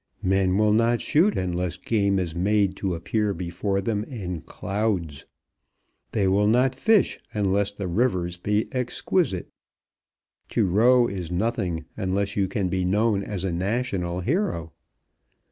Men will not shoot unless game is made to appear before them in clouds. They will not fish unless the rivers be exquisite. To row is nothing unless you can be known as a national hero.